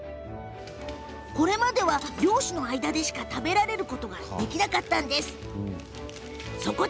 これまで漁師の間でしか食べられることができなかったんだそう。